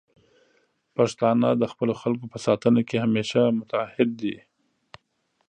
پښتانه د خپلو خلکو په ساتنه کې همیشه متعهد دي.